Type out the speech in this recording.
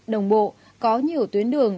đồng bộ có nhiều tuyến đường